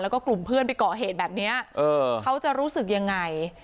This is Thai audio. แล้วก็กลุ่มเพื่อนไปก่อเหตุแบบนี้เขาจะรู้สึกยังไง